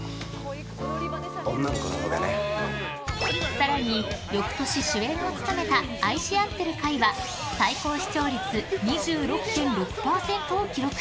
更に翌年、主演を務めた「愛しあってるかい！」は最高視聴率２６．６％を記録。